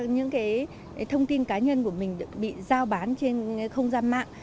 những thông tin cá nhân của mình bị giao bán trên không gian mạng